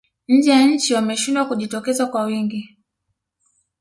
nje ya nchi wameshindwa kujitokeza kwa wingi